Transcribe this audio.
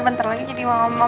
bentar lagi jadi mama